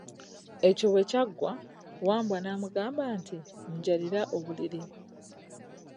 Ekyo bwe kyaggwa, Wambwa n'amugamba nti, njalira obuliri.